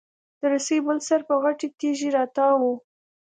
د رسۍ بل سر په غټې تېږي راتاو و.